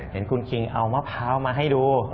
เห็นคุณคิงเอามะพร้าวมาให้ดู